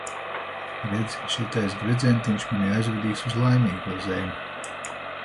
Redzi, šitais gredzentiņš mani aizvedīs uz Laimīgo zemi.